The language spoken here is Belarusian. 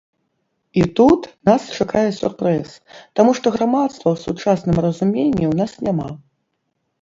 І тут нас чакае сюрпрыз, таму што грамадства ў сучасным разуменні ў нас няма.